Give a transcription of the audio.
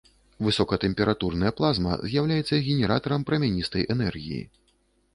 Высокатэмпературная плазма з'яўляецца генератарам прамяністай энергіі.